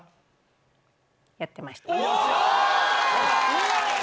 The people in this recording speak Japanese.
うわ！